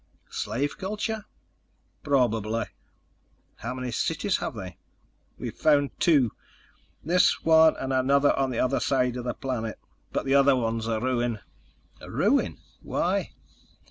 "Slave culture?" "Probably." "How many cities have they?" "We've found two. This one and another on the other side of the planet. But the other one's a ruin." "A ruin? Why?"